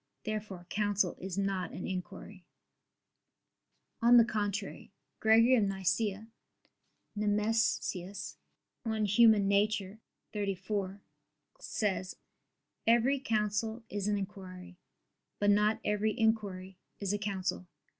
Therefore counsel is not an inquiry. On the contrary, Gregory of Nyssa [*Nemesius, De Nat. Hom. xxxiv.] says: "Every counsel is an inquiry; but not every inquiry is a counsel."